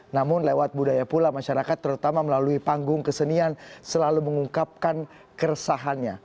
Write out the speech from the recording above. namun lewat budaya pula masyarakat terutama melalui panggung kesenian selalu mengungkapkan keresahannya